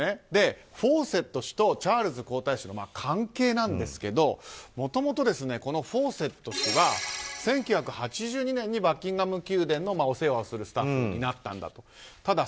フォーセット氏とチャールズ皇太子の関係なんですけどもともと、このフォーセット氏は１９８２年にバッキンガム宮殿のお世話をするスタッフになったんだと。